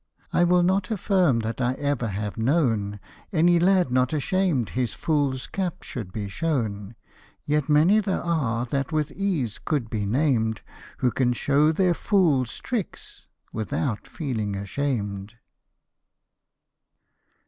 I will not affirm that I ever have known Any lad not ashamed his f oofs cap should be shown ; Yet many there are that with ease could be named, Who can show their JboFs tricks without feeling ashamed.